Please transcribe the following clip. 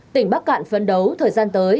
tỉnh bắc cạn phấn đấu thời gian tới